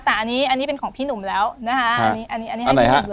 แต่อันนี้อันนี้เป็นของพี่หนุ่มแล้วนะฮะอันนี้อันนี้อันไหนฮะ